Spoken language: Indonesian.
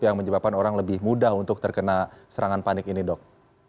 yang menyebabkan orang lebih mudah untuk terkena serangan panik ini dok